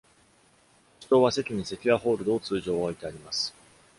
保守党は席にセキュアホールドを通常は置いてあります。